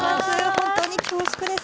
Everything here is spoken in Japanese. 本当に恐縮です。